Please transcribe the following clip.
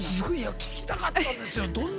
聴きたかったんです